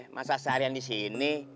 masa seharian disini